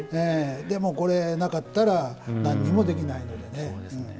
これなかったらなんにもできないので。